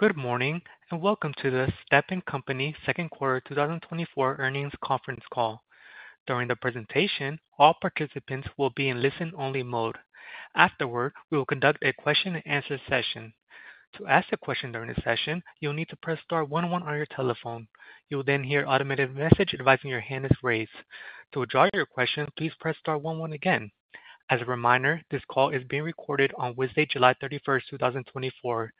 Good morning, and welcome to the Stepan Company second quarter 2024 earnings conference call. During the presentation, all participants will be in listen-only mode. Afterward, we will conduct a question-and-answer session. To ask a question during the session, you'll need to press star one one on your telephone. You will then hear an automated message advising your hand is raised. To withdraw your question, please press star one one again. As a reminder, this call is being recorded on Wednesday, July 31st, 2024.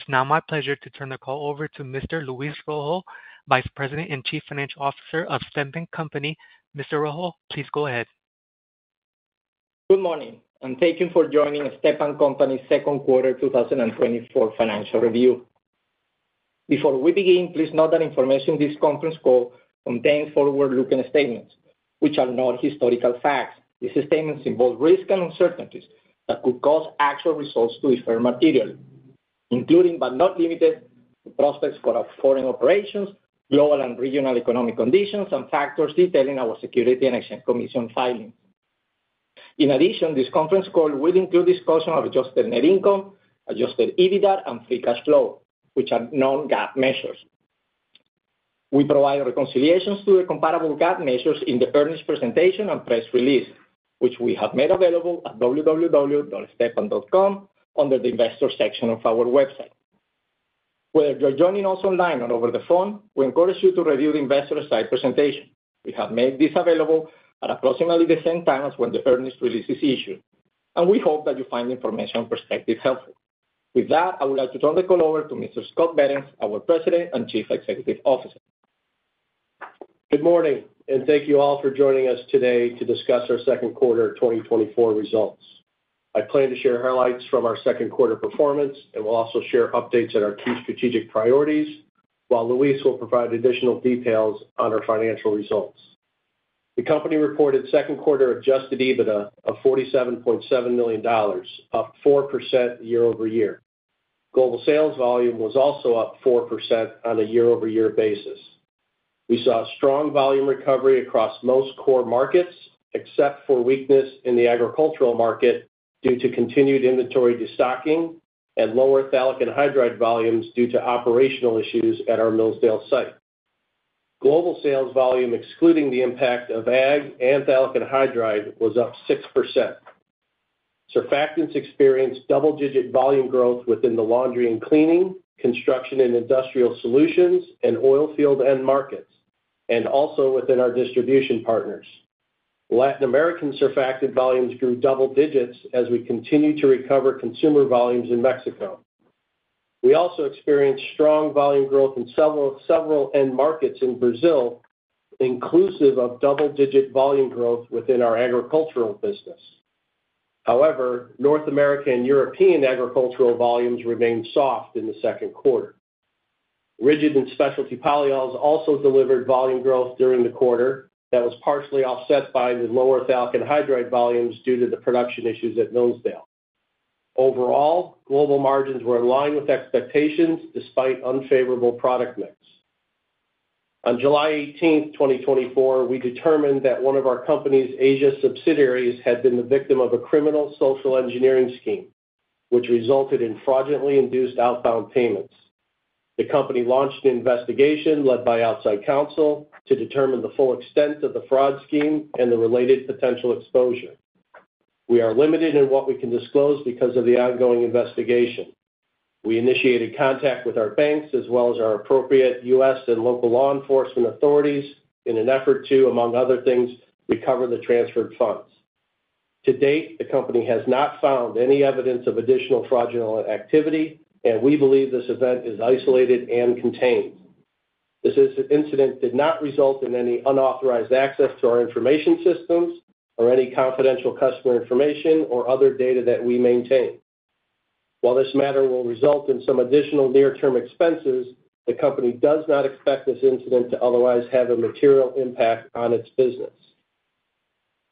It's now my pleasure to turn the call over to Mr. Luis Rojo, Vice President and Chief Financial Officer of Stepan Company. Mr. Rojo, please go ahead. Good morning, and thank you for joining Stepan Company's second quarter 2024 financial review. Before we begin, please note that information in this conference call contains forward-looking statements, which are not historical facts. These statements involve risks and uncertainties that could cause actual results to differ materially, including but not limited to prospects for our foreign operations, global and regional economic conditions, and factors detailing our Securities and Exchange Commission filings. In addition, this conference call will include discussion of adjusted net income, adjusted EBITDA, and free cash flow, which are non-GAAP measures. We provide reconciliations to the comparable GAAP measures in the earnings presentation and press release, which we have made available at www.stepan.com under the Investor section of our website. Whether you're joining us online or over the phone, we encourage you to review the investor slide presentation. We have made this available at approximately the same time as when the earnings release is issued, and we hope that you find the information perspective helpful. With that, I would like to turn the call over to Mr. Scott Behrens, our President and Chief Executive Officer. Good morning, and thank you all for joining us today to discuss our second quarter 2024 results. I plan to share highlights from our second quarter performance, and we'll also share updates on our key strategic priorities, while Luis will provide additional details on our financial results. The company reported second quarter Adjusted EBITDA of $47.7 million, up 4% year-over-year. Global sales volume was also up 4% on a year-over-year basis. We saw a strong volume recovery across most core markets, except for weakness in the agricultural market due to continued inventory destocking and lower phthalic anhydride volumes due to operational issues at our Millsdale site. Global sales volume, excluding the impact of agricultural and phthalic anhydride, was up 6%. Surfactants experienced double-digit volume growth within the laundry and cleaning, construction and industrial solutions, and oil field end markets, and also within our distribution partners. Latin American surfactant volumes grew double digits as we continued to recover consumer volumes in Mexico. We also experienced strong volume growth in several end markets in Brazil, inclusive of double-digit volume growth within our agricultural business. However, North American and European agricultural volumes remained soft in the second quarter. Rigid and specialty polyols also delivered volume growth during the quarter that was partially offset by the lower phthalic anhydride volumes due to the production issues at Millsdale. Overall, global margins were in line with expectations despite unfavorable product mix. On July 18th, 2024, we determined that one of our company's Asia subsidiaries had been the victim of a criminal social engineering scheme, which resulted in fraudulently induced outbound payments. The company launched an investigation led by outside counsel to determine the full extent of the fraud scheme and the related potential exposure. We are limited in what we can disclose because of the ongoing investigation. We initiated contact with our banks as well as our appropriate U.S. and local law enforcement authorities in an effort to, among other things, recover the transferred funds. To date, the company has not found any evidence of additional fraudulent activity, and we believe this event is isolated and contained. This incident did not result in any unauthorized access to our information systems or any confidential customer information or other data that we maintain. While this matter will result in some additional near-term expenses, the company does not expect this incident to otherwise have a material impact on its business.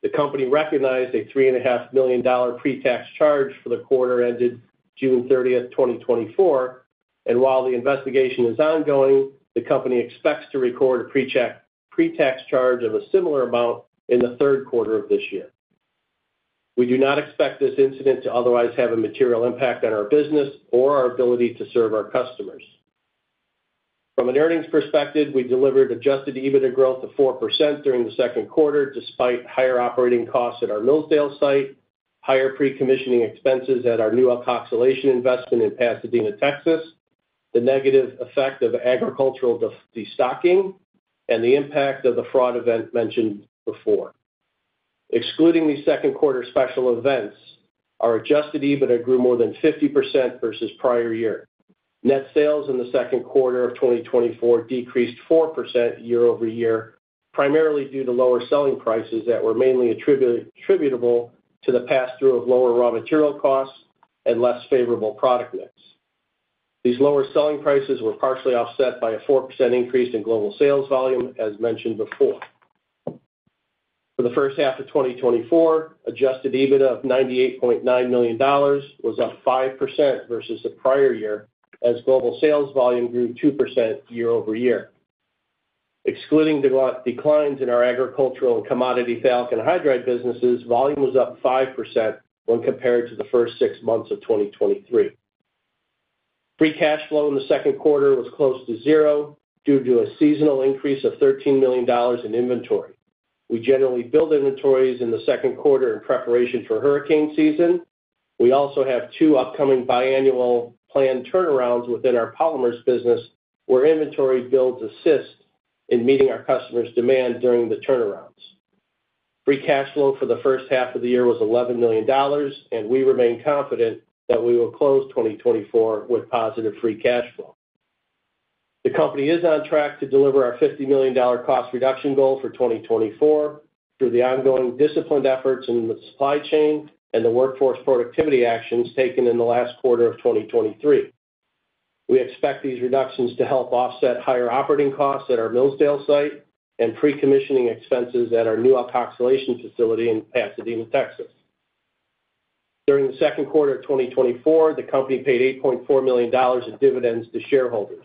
The company recognized a $3.5 million pre-tax charge for the quarter ended June 30th, 2024, and while the investigation is ongoing, the company expects to record a pre-tax charge of a similar amount in the third quarter of this year. We do not expect this incident to otherwise have a material impact on our business or our ability to serve our customers. From an earnings perspective, we delivered Adjusted EBITDA growth of 4% during the second quarter, despite higher operating costs at our Millsdale site, higher pre-commissioning expenses at our new alkoxylation investment in Pasadena, Texas, the negative effect of agricultural destocking, and the impact of the fraud event mentioned before. Excluding these second quarter special events, our Adjusted EBITDA grew more than 50% versus prior year. Net sales in the second quarter of 2024 decreased 4% year-over-year, primarily due to lower selling prices that were mainly attributable to the pass-through of lower raw material costs and less favorable product mix. These lower selling prices were partially offset by a 4% increase in global sales volume, as mentioned before. For the first half of 2024, adjusted EBITDA of $98.9 million was up 5% versus the prior year, as global sales volume grew 2% year-over-year, excluding the declines in our agricultural and commodity phthalic anhydride businesses, volume was up 5% when compared to the first six months of 2023. Free cash flow in the second quarter was close to zero due to a seasonal increase of $13 million in inventory. We generally build inventories in the second quarter in preparation for hurricane season. We also have two upcoming biannual planned turnarounds within our polymers business, where inventory builds assist in meeting our customers' demand during the turnarounds. Free cash flow for the first half of the year was $11 million, and we remain confident that we will close 2024 with positive free cash flow. The company is on track to deliver our $50 million cost reduction goal for 2024 through the ongoing disciplined efforts in the supply chain and the workforce productivity actions taken in the last quarter of 2023. We expect these reductions to help offset higher operating costs at our Millsdale site and pre-commissioning expenses at our new ethoxylation facility in Pasadena, Texas. During the second quarter of 2024, the company paid $8.4 million in dividends to shareholders.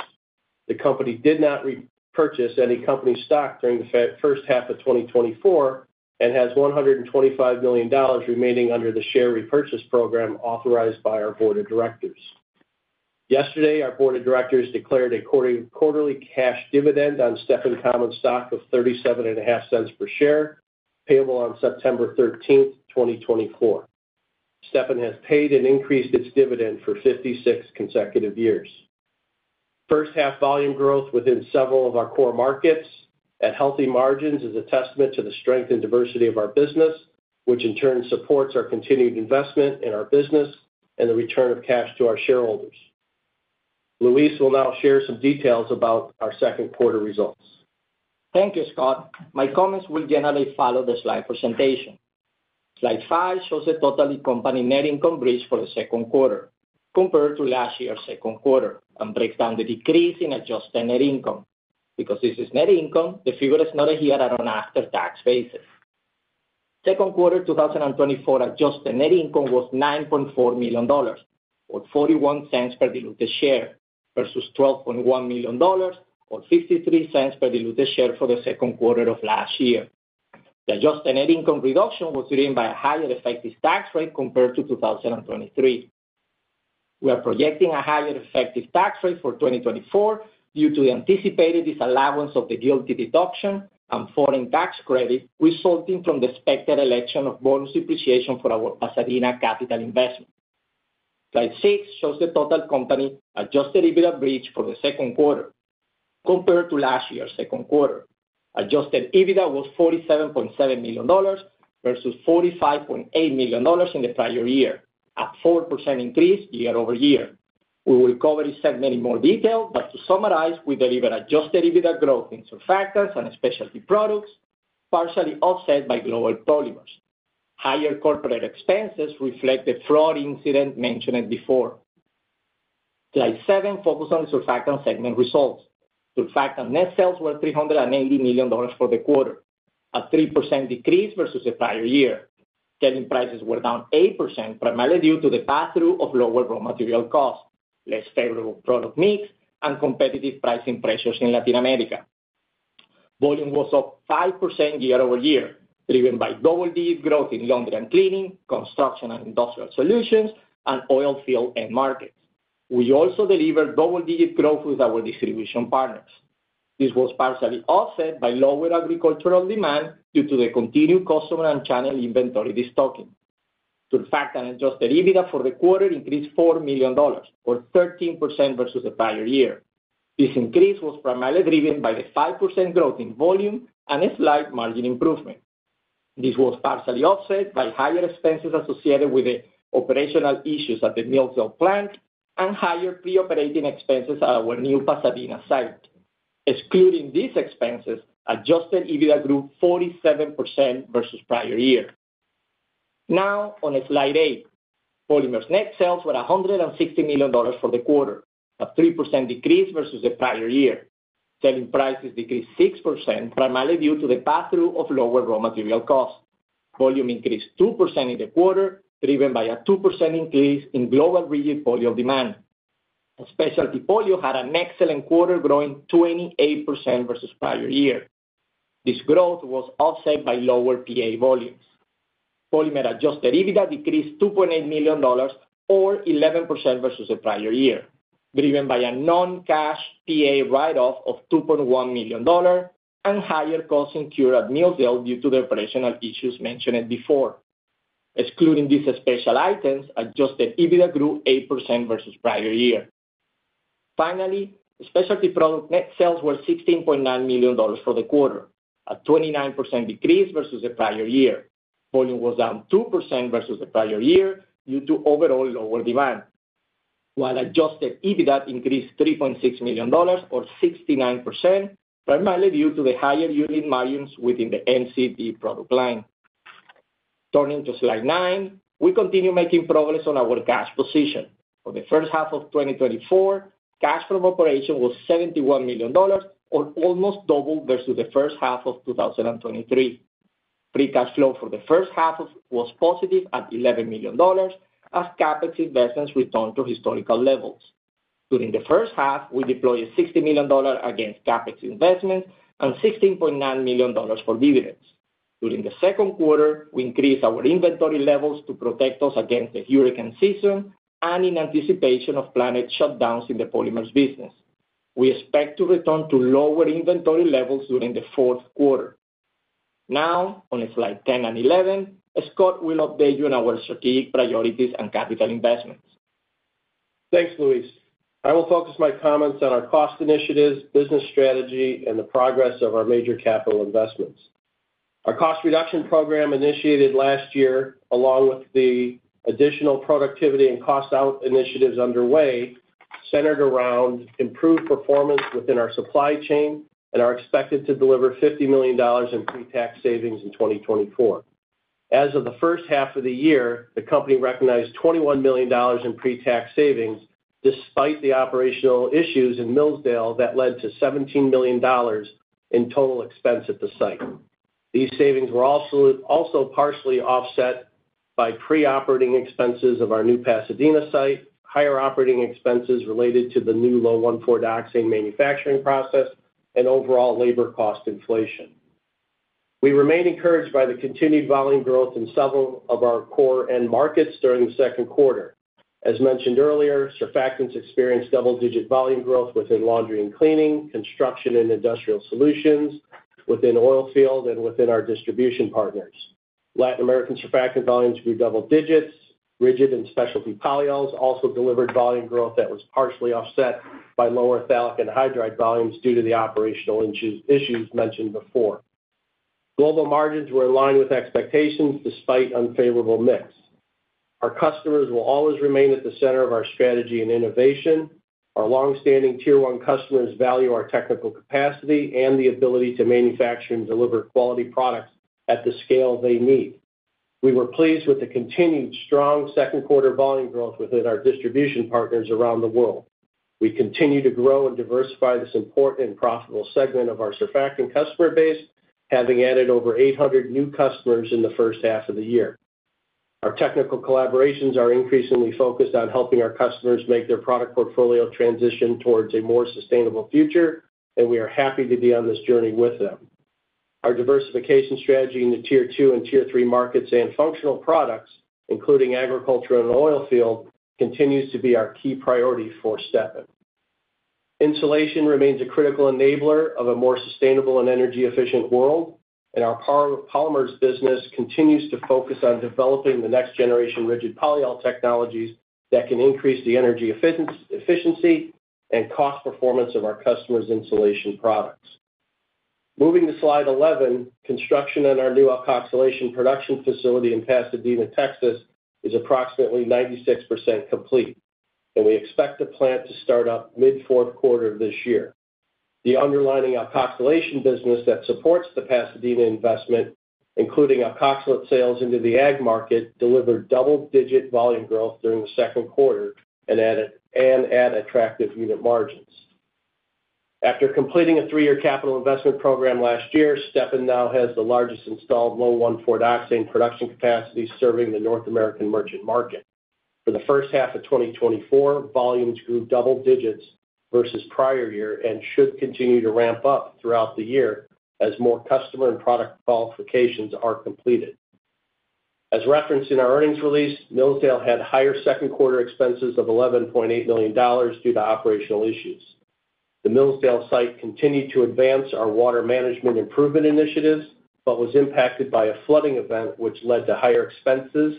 The company did not repurchase any company stock during the first half of 2024 and has $125 million remaining under the share repurchase program authorized by our board of directors. Yesterday, our board of directors declared a quarterly cash dividend on Stepan common stock of $0.375 per share, payable on September 13th, 2024. Stepan has paid and increased its dividend for 56 consecutive years. First half volume growth within several of our core markets at healthy margins is a testament to the strength and diversity of our business, which in turn supports our continued investment in our business and the return of cash to our shareholders. Luis will now share some details about our second quarter results. Thank you, Scott. My comments will generally follow the slide presentation. Slide five shows the total company net income bridge for the second quarter compared to last year's second quarter, and breaks down the decrease in adjusted net income. Because this is net income, the figure is noted here on an after-tax basis. Second quarter, 2024 adjusted net income was $9.4 million, or $0.41 per diluted share, versus $12.1 million, or $0.53 per diluted share for the second quarter of last year. The adjusted net income reduction was driven by a higher effective tax rate compared to 2023. We are projecting a higher effective tax rate for 2024 due to the anticipated disallowance of the GILTI deduction and foreign tax credit, resulting from the expected election of bonus depreciation for our Pasadena capital investment. Slide six shows the total company adjusted EBITDA bridge for the second quarter compared to last year's second quarter. Adjusted EBITDA was $47.7 million versus $45.8 million in the prior year, a 4% increase year-over-year. We will cover this in more detail, but to summarize, we delivered adjusted EBITDA growth in Surfactants and Specialty Products, partially offset by global Polymers. Higher corporate expenses reflect the fraud incident mentioned before. Slide seven focuses on the Surfactant segment results. Surfactant net sales were $380 million for the quarter, a 3% decrease versus the prior year. Selling prices were down 8%, primarily due to the pass-through of lower raw material costs, less favorable product mix, and competitive pricing pressures in Latin America. Volume was up 5% year-over-year, driven by double-digit growth in laundry and cleaning, construction and industrial solutions, and oil field end markets. We also delivered double-digit growth with our distribution partners. This was partially offset by lower agricultural demand due to the continued customer and channel inventory destocking. Surfactant adjusted EBITDA for the quarter increased $4 million, or 13% versus the prior year. This increase was primarily driven by the 5% growth in volume and a slight margin improvement. This was partially offset by higher expenses associated with the operational issues at the Millsdale plant and higher pre-operating expenses at our new Pasadena site. Excluding these expenses, adjusted EBITDA grew 47% versus prior year. Now, on slide eight. Polymers net sales were $160 million for the quarter, a 3% decrease versus the prior year. Selling prices decreased 6%, primarily due to the pass-through of lower raw material costs. Volume increased 2% in the quarter, driven by a 2% increase in global rigid polyols demand. Our specialty polyols had an excellent quarter, growing 28% versus prior year. This growth was offset by lower PA volumes. Polymers adjusted EBITDA decreased $2.8 million, or 11% versus the prior year, driven by a non-cash PA write-off of $2.1 million and higher costs incurred at Millsdale due to the operational issues mentioned before. Excluding these special items, adjusted EBITDA grew 8% versus prior year. Finally, Specialty Products net sales were $16.9 million for the quarter, a 29% decrease versus the prior year. Volume was down 2% versus the prior year due to overall lower demand, while Adjusted EBITDA increased $3.6 million, or 69%, primarily due to the higher unit volumes within the MCT product line. Turning to Slide nine. We continue making progress on our cash position. For the first half of 2024, cash from operations was $71 million, or almost double versus the first half of 2023.... Free Cash Flow for the first half of was positive at $11 million, as CapEx investments returned to historical levels. During the first half, we deployed $60 million against CapEx investments and $16.9 million for dividends. During the second quarter, we increased our inventory levels to protect us against the hurricane season and in anticipation of planned shutdowns in the Polymers business. We expect to return to lower inventory levels during the fourth quarter. Now, on slide 10 and 11, Scott will update you on our strategic priorities and capital investments. Thanks, Luis. I will focus my comments on our cost initiatives, business strategy, and the progress of our major capital investments. Our cost reduction program, initiated last year, along with the additional productivity and cost out initiatives underway, centered around improved performance within our supply chain and are expected to deliver $50 million in pre-tax savings in 2024. As of the first half of the year, the company recognized $21 million in pre-tax savings, despite the operational issues in Millsdale that led to $17 million in total expense at the site. These savings were also partially offset by pre-operating expenses of our new Pasadena site, higher operating expenses related to the new low 1,4-dioxane manufacturing process, and overall labor cost inflation. We remain encouraged by the continued volume growth in several of our core end markets during the second quarter. As mentioned earlier, surfactants experienced double-digit volume growth within laundry and cleaning, construction, and industrial solutions, within oilfield, and within our distribution partners. Latin American surfactant volumes grew double digits. Rigid and Specialty Polyols also delivered volume growth that was partially offset by lower phthalic anhydride volumes due to the operational issues mentioned before. Global margins were in line with expectations, despite unfavorable mix. Our customers will always remain at the center of our strategy and innovation. Our long-standing Tier One customers value our technical capacity and the ability to manufacture and deliver quality products at the scale they need. We were pleased with the continued strong second quarter volume growth within our distribution partners around the world. We continue to grow and diversify this important and profitable segment of our surfactant customer base, having added over 800 new customers in the first half of the year. Our technical collaborations are increasingly focused on helping our customers make their product portfolio transition towards a more sustainable future, and we are happy to be on this journey with them. Our diversification strategy in the Tier Two and Tier Three markets and functional products, including agriculture and oil field, continues to be our key priority for Stepan. Insulation remains a critical enabler of a more sustainable and energy-efficient world, and our Polymers business continues to focus on developing the next generation Rigid Polyol technologies that can increase the energy efficiency and cost performance of our customers' insulation products. Moving to slide 11, construction on our new alkoxylation production facility in Pasadena, Texas, is approximately 96% complete, and we expect the plant to start up mid-fourth quarter of this year. The underlying alkoxylation business that supports the Pasadena investment, including alkoxylate sales into the agricultural market, delivered double-digit volume growth during the second quarter and added at attractive unit margins. After completing a three-year capital investment program last year, Stepan now has the largest installed low-1,4-dioxane production capacity, serving the North American merchant market. For the first half of 2024, volumes grew double digits versus prior year and should continue to ramp up throughout the year as more customer and product qualifications are completed. As referenced in our earnings release, Millsdale had higher second quarter expenses of $11.8 million due to operational issues. The Millsdale site continued to advance our water management improvement initiatives, but was impacted by a flooding event, which led to higher expenses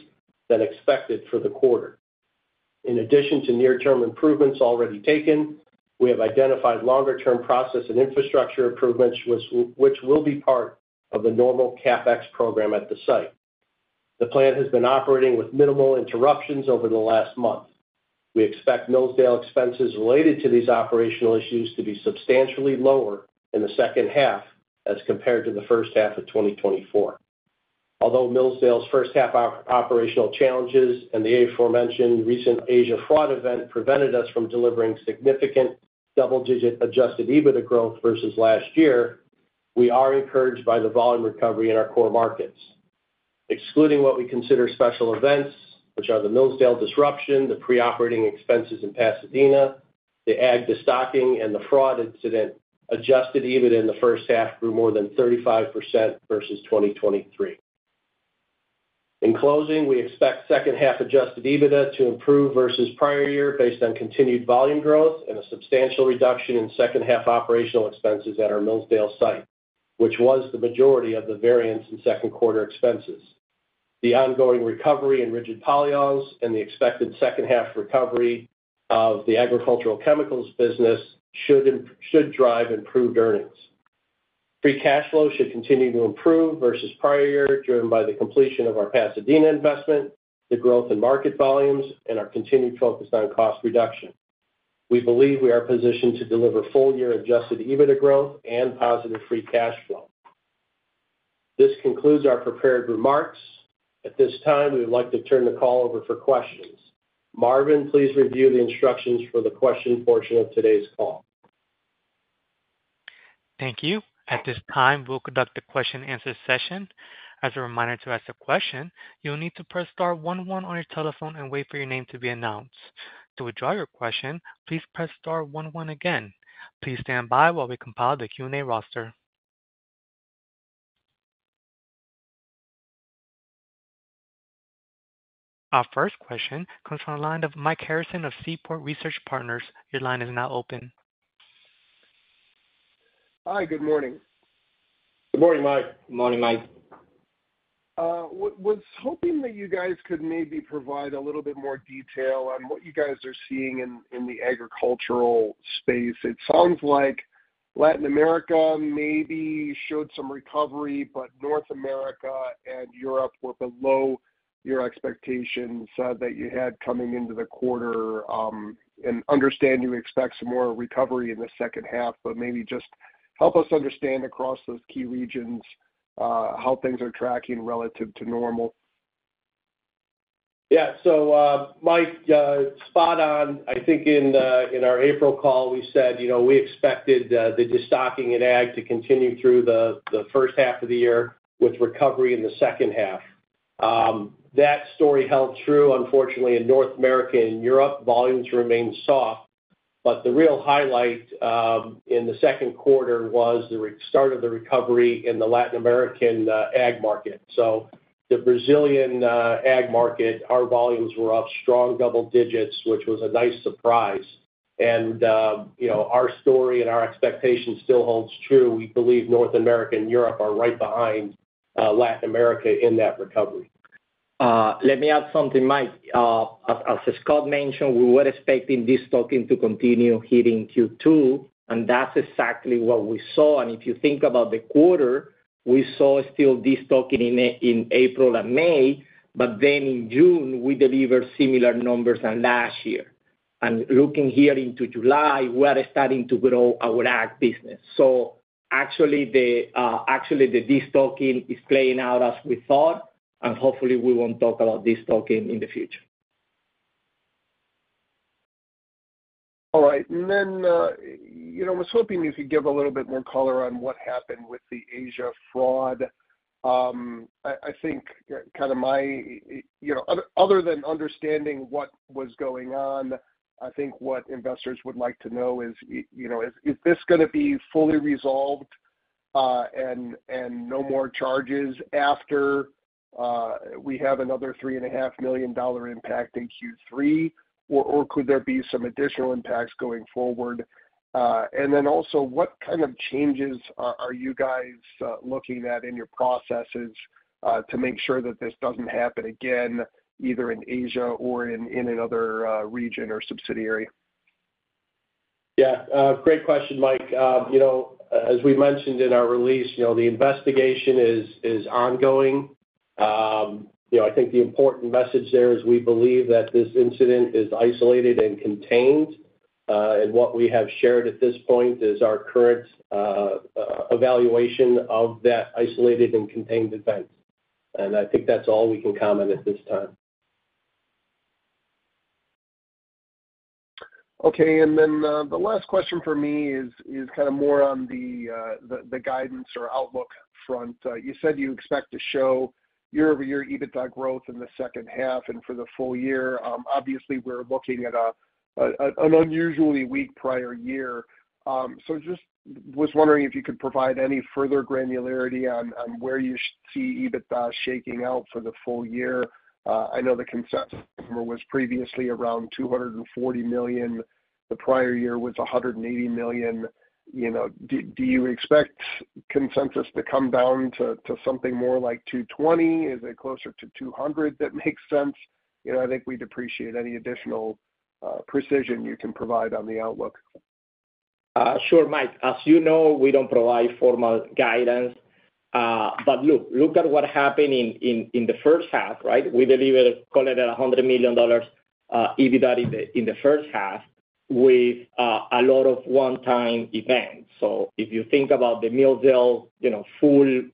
than expected for the quarter. In addition to near-term improvements already taken, we have identified longer-term process and infrastructure improvements, which will be part of the normal CapEx program at the site. The plant has been operating with minimal interruptions over the last month. We expect Millsdale expenses related to these operational issues to be substantially lower in the second half as compared to the first half of 2024. Although Millsdale's first half operational challenges and the aforementioned recent Asia fraud event prevented us from delivering significant double-digit adjusted EBITDA growth versus last year, we are encouraged by the volume recovery in our core markets. Excluding what we consider special events, which are the Millsdale disruption, the pre-operating expenses in Pasadena, the agricultural de-stocking, and the fraud incident, adjusted EBITDA in the first half grew more than 35% versus 2023. In closing, we expect second half adjusted EBITDA to improve versus prior year based on continued volume growth and a substantial reduction in second half operational expenses at our Millsdale site, which was the majority of the variance in second quarter expenses. The ongoing recovery in rigid polyols and the expected second half recovery of the agricultural chemicals business should drive improved earnings. Free cash flow should continue to improve versus prior year, driven by the completion of our Pasadena investment, the growth in market volumes, and our continued focus on cost reduction. We believe we are positioned to deliver full-year adjusted EBITDA growth and positive free cash flow. This concludes our prepared remarks. At this time, we would like to turn the call over for questions. Marvin, please review the instructions for the question portion of today's call. Thank you. At this time, we'll conduct the question and answer session. As a reminder, to ask a question, you'll need to press star one one on your telephone and wait for your name to be announced. To withdraw your question, please press star one one again. Please stand by while we compile the Q&A roster. Our first question comes from the line of Mike Harrison of Seaport Research Partners. Your line is now open. Hi, good morning. Good morning, Mike. Good morning, Mike. Was hoping that you guys could maybe provide a little bit more detail on what you guys are seeing in the agricultural space. It sounds like Latin America maybe showed some recovery, but North America and Europe were below your expectations that you had coming into the quarter. And understand you expect some more recovery in the second half, but maybe just help us understand across those key regions how things are tracking relative to normal. Yeah. So, Mike, spot on. I think in our April call, we said, you know, we expected the destocking in agricultural to continue through the first half of the year with recovery in the second half. That story held true. Unfortunately, in North America and Europe, volumes remained soft, but the real highlight in the second quarter was the restart of the recovery in the Latin American agricultural market. So the Brazilian agricultural market, our volumes were up strong double digits, which was a nice surprise. And, you know, our story and our expectation still holds true. We believe North America and Europe are right behind Latin America in that recovery. Let me add something, Mike. As Scott mentioned, we were expecting destocking to continue here in Q2, and that's exactly what we saw. If you think about the quarter, we saw still destocking in April and May, but then in June, we delivered similar numbers than last year. Looking here into July, we are starting to grow our agricultural business. So actually, the destocking is playing out as we thought, and hopefully, we won't talk about destocking in the future. All right. And then, you know, I was hoping you could give a little bit more color on what happened with the Asia fraud. I think kind of my... You know, other than understanding what was going on, I think what investors would like to know is, you know, is this gonna be fully resolved, and no more charges after we have another $3.5 million impact in Q3, or could there be some additional impacts going forward? And then also, what kind of changes are you guys looking at in your processes to make sure that this doesn't happen again, either in Asia or in another region or subsidiary? Yeah, great question, Mike. You know, as we mentioned in our release, you know, the investigation is ongoing. You know, I think the important message there is we believe that this incident is isolated and contained, and what we have shared at this point is our current evaluation of that isolated and contained event. And I think that's all we can comment at this time. Okay. And then, the last question for me is kind of more on the guidance or outlook front. You said you expect to show year-over-year EBITDA growth in the second half and for the full year. Obviously, we're looking at an unusually weak prior year. So just was wondering if you could provide any further granularity on where you see EBITDA shaking out for the full year. I know the consensus number was previously around $240 million. The prior year was $180 million. You know, do you expect consensus to come down to something more like $220? Is it closer to $200 that makes sense? You know, I think we'd appreciate any additional precision you can provide on the outlook. Sure, Mike. As you know, we don't provide formal guidance, but look at what happened in the first half, right? We delivered, call it $100 million EBITDA in the first half with a lot of one-time events. So if you think about the Millsdale, you know, full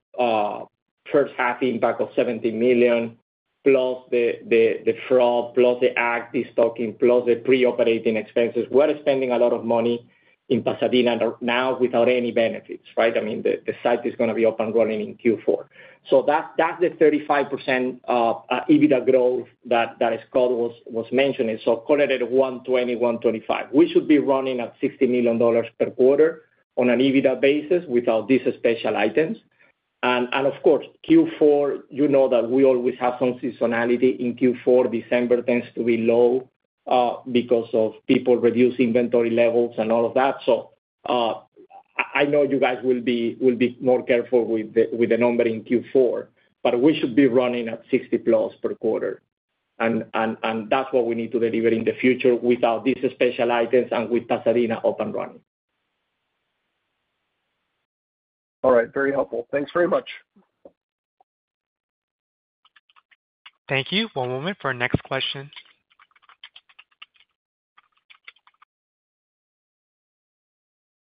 first half impact of $70 million, plus the fraud, plus the agricultural destocking, plus the pre-operating expenses, we're spending a lot of money in Pasadena now without any benefits, right? I mean, the site is gonna be up and running in Q4. So that's the 35% EBITDA growth that Scott was mentioning, so call it at $120 million-$125 million. We should be running at $60 million per quarter on an EBITDA basis without these special items. Of course, Q4, you know that we always have some seasonality in Q4. December tends to be low because of people reducing inventory levels and all of that. So, I know you guys will be more careful with the number in Q4, but we should be running at 60+ per quarter. And that's what we need to deliver in the future without these special items and with Pasadena up and running. All right. Very helpful. Thanks very much. Thank you. One moment for our next question.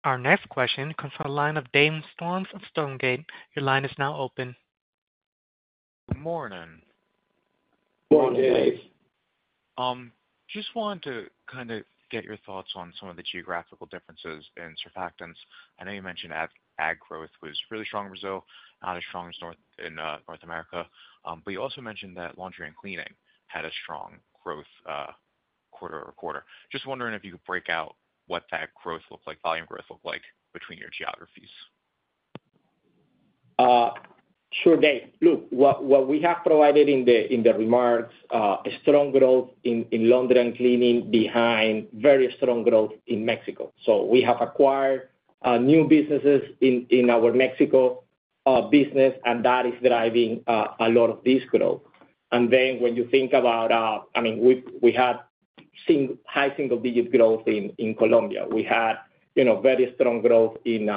Our next question comes from the line of David Storms of Stonegate. Your line is now open. Good morning. Good morning, Dave. Just wanted to kind of get your thoughts on some of the geographical differences in surfactants. I know you mentioned agricultural, agricultural growth was really strong in Brazil, not as strong in North America. But you also mentioned that laundry and cleaning had a strong growth quarter-over-quarter. Just wondering if you could break out what that growth looked like, volume growth looked like between your geographies? Sure, Dave. Look, we have provided in the remarks a strong growth in laundry and cleaning behind very strong growth in Mexico. So we have acquired new businesses in our Mexico business, and that is driving a lot of this growth. And then when you think about, I mean, we had high single-digit growth in Colombia. We had, you know, very strong growth in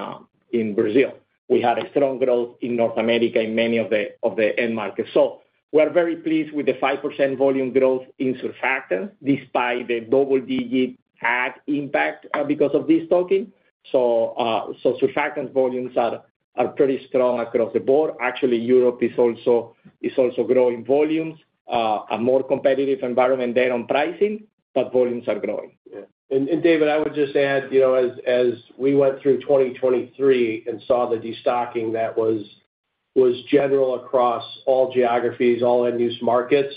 Brazil. We had a strong growth in North America in many of the end markets. So we're very pleased with the 5% volume growth in surfactants despite the double-digit agricultural impact because of destocking. So surfactant volumes are pretty strong across the board. Actually, Europe is also growing volumes. A more competitive environment there on pricing, but volumes are growing. Yeah. And, and David, I would just add, you know, as, as we went through 2023 and saw the destocking, that was, was general across all geographies, all end-use markets.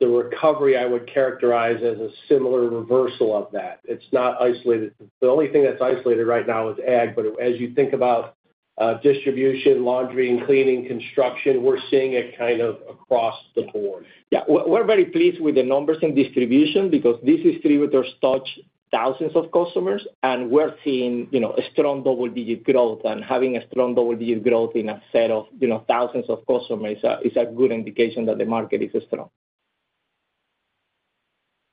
The recovery I would characterize as a similar reversal of that. It's not isolated. The only thing that's isolated right now is agricultural, but as you think about, distribution, laundry and cleaning, construction, we're seeing it kind of across the board. Yeah. We're very pleased with the numbers in distribution, because distributors touch thousands of customers, and we're seeing, you know, a strong double-digit growth. And having a strong double-digit growth in a set of, you know, thousands of customers is a good indication that the market is strong.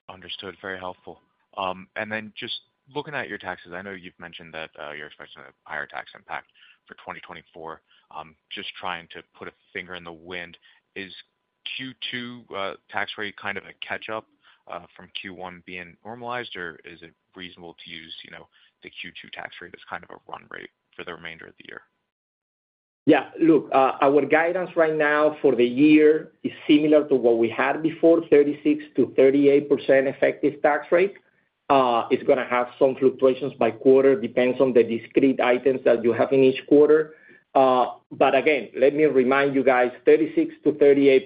Understood. Very helpful. And then just looking at your taxes, I know you've mentioned that, you're expecting a higher tax impact for 2024. Just trying to put a finger in the wind, is Q2 tax rate kind of a catch-up from Q1 being normalized, or is it reasonable to use, you know, the Q2 tax rate as kind of a run rate for the remainder of the year? Yeah, look, our guidance right now for the year is similar to what we had before, 36% to 38% effective tax rate. It's gonna have some fluctuations by quarter, depends on the discrete items that you have in each quarter. But again, let me remind you guys, 36% to 38%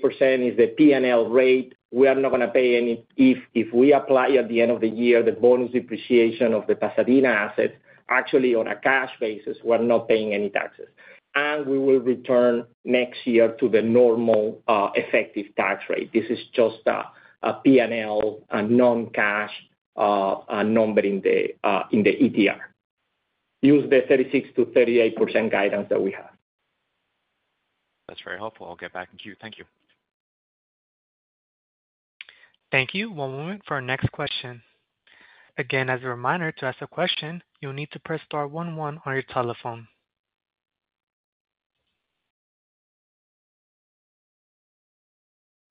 is the P&L rate. We are not gonna pay any... If, if we apply, at the end of the year, the bonus depreciation of the Pasadena assets, actually, on a cash basis, we're not paying any taxes. And we will return next year to the normal, effective tax rate. This is just a P&L, a non-cash, number in the ETR. Use the 36% to 38% guidance that we have. That's very helpful. I'll get back in queue. Thank you. Thank you. One moment for our next question. Again, as a reminder, to ask a question, you'll need to press star one one on your telephone.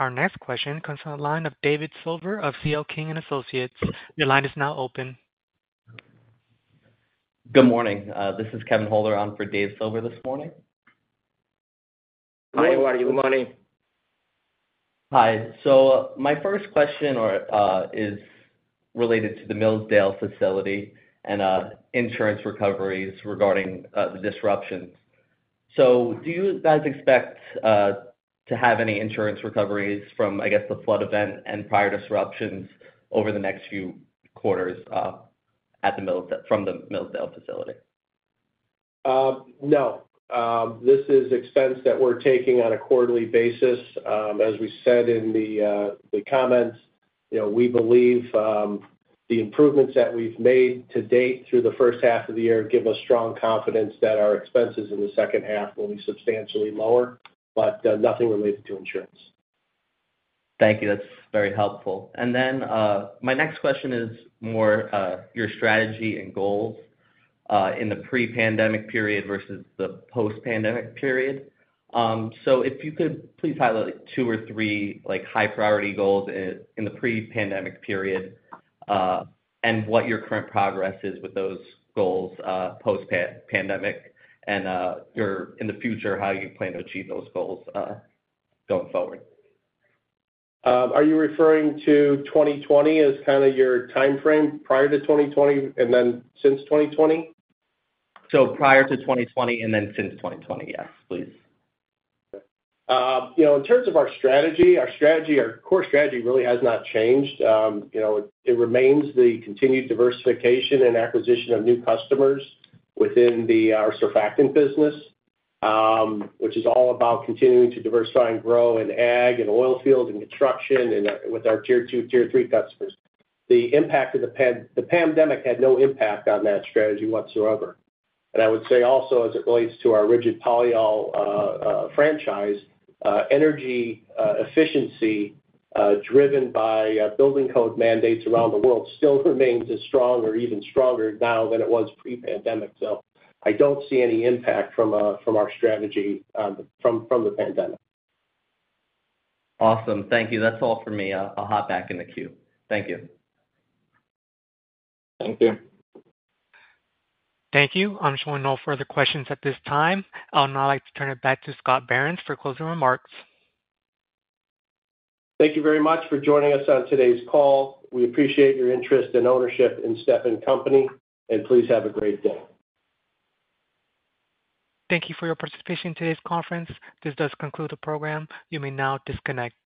Our next question comes from the line of David Silver of CL King & Associates. Your line is now open. Good morning. This is Kevin Holder on for David Silver this morning. Hi, good morning. Good morning. Hi. So my first question is related to the Millsdale facility and insurance recoveries regarding the disruptions. So do you guys expect to have any insurance recoveries from, I guess, the flood event and prior disruptions over the next few quarters from the Millsdale facility? No. This is expense that we're taking on a quarterly basis. As we said in the comments, you know, we believe the improvements that we've made to date through the first half of the year give us strong confidence that our expenses in the second half will be substantially lower, but nothing related to insurance. Thank you. That's very helpful. And then, my next question is more, your strategy and goals, in the pre-pandemic period versus the post-pandemic period. So if you could please highlight two or three, like, high-priority goals in the pre-pandemic period, and what your current progress is with those goals, post-pandemic, and, your... in the future, how you plan to achieve those goals, going forward. Are you referring to 2020 as kind of your timeframe, prior to 2020 and then since 2020? Prior to 2020 and then since 2020, yes, please. You know, in terms of our strategy, our strategy, our core strategy really has not changed. You know, it, it remains the continued diversification and acquisition of new customers within the, our Surfactants business, which is all about continuing to diversify and grow in agricultural and oil field and construction and with our Tier Two, Tier Three customers. The impact of the pan- the pandemic had no impact on that strategy whatsoever. And I would say also, as it relates to our Rigid Polyol franchise, energy efficiency driven by building code mandates around the world still remains as strong or even stronger now than it was pre-pandemic. So I don't see any impact from, from our strategy, from, from the pandemic. Awesome. Thank you. That's all for me. I'll hop back in the queue. Thank you. Thank you. Thank you. I'm showing no further questions at this time. I'll now like to turn it back to Scott Behrens for closing remarks. Thank you very much for joining us on today's call. We appreciate your interest and ownership in Stepan Company, and please have a great day. Thank you for your participation in today's conference. This does conclude the program. You may now disconnect.